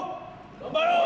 頑張ろう。